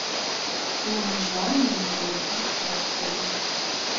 Нуныжлан мый вуйым ом пу ыле.